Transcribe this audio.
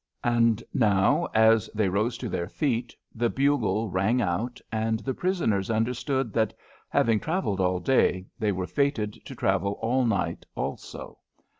And now as they rose to their feet the bugle rang out, and the prisoners understood that, having travelled all day, they were fated to travel all night also.